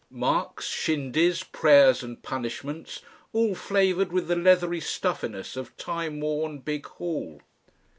Marks, shindies, prayers and punishments, all flavoured with the leathery stuffiness of time worn Big Hall....